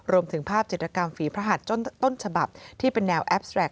รวมถึงภาพจิตรกรรมฝีพระหัสต้นฉบับที่เป็นแนวแอปแรก